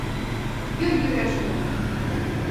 Йӱр йӱреш ыле.